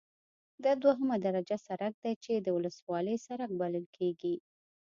دا دوهمه درجه سرک دی چې د ولسوالۍ سرک بلل کیږي